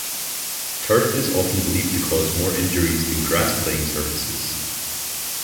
Turf is often believed to cause more injuries than grass-playing surfaces.